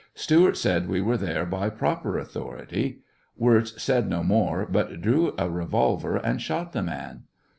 Stewart said we were there by proper authority. Wirz said no more, but drew a revolver and shot the man.